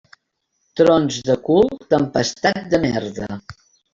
Trons de cul, tempestat de merda.